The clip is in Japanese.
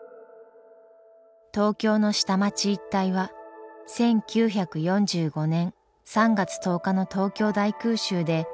東京の下町一帯は１９４５年３月１０日の東京大空襲で焼け野原になりました。